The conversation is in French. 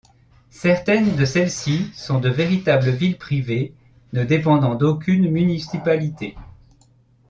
Certaines de celles-ci sont de véritables villes privées, ne dépendant d'aucune municipalité.